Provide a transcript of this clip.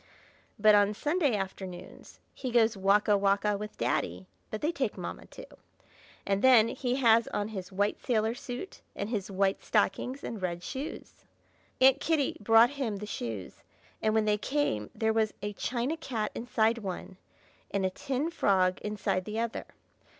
But on Sunday afternoon he goes walk a walk a with Daddy (but they take Mamma too!), and then he has on his white sailor suit, and his white stockings and red shoes. Aunt Kitty brought him the shoes, and when they came there was a china cat inside one, and a tin frog inside the other.